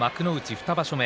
２場所目